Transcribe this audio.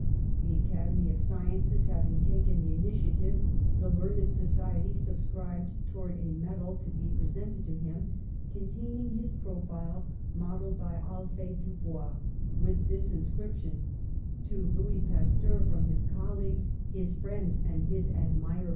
The Academy of Sciences having taken the initiative, the learned societies subscribed towards a medal to be presented to him, con taining his profile modeled by Alphee Dubois, with this inscription : ^To Louis Pasteur, from his colleagues, his friends and his admirers."